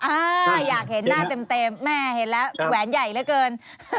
อ่าอยากเห็นหน้าเต็มแม่เห็นแล้วแหวนใหญ่เหลือเกิน